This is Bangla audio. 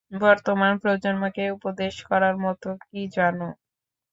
বর্তমান প্রজন্মকে উপদেশ করার মতো কী জানো?